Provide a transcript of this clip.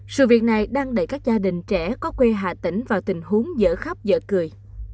sự việc này đang đẩy các gia đình trẻ có quê hà tĩnh vào tình huống dở khắp dở cười